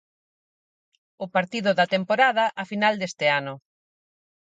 O partido da temporada, a final deste ano.